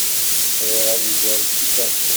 Bɣiɣ ad iliɣ d Picasso.